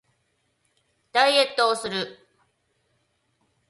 ダイエットをする